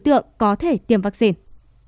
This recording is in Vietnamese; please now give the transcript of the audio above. hãy đăng ký kênh để ủng hộ kênh của mình nhé